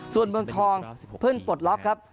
ส่วนเมืองทองเพิ่งปลดล็อกครับ